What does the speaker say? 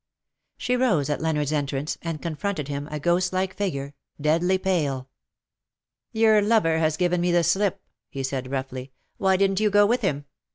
She rose at Leonard's entrance, and confronted him, a ghost like figure, deadly pale. '^"Your lover has given me the slip,"" he said, roughly ;^^ why didn't you go with him